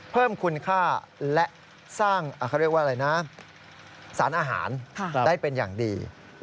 เพิ่มคุณค่าและสร้างสารอาหารได้เป็นอย่างดี